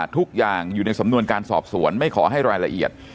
ทุกอย่างอยู่ในสำนวนการสอบสวนไม่ขอให้รายละเอียด